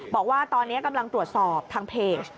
บอกว่าตอนนี้กำลังตรวจสอบทางเพจ